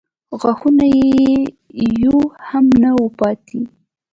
غاښونه یې يو هم نه و پاتې.